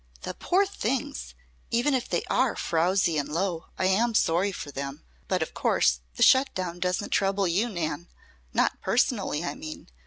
"The poor things! Even if they are frowsy and low, I am sorry for them. But, of course, the shut down doesn't trouble you, Nan. Not personally, I mean.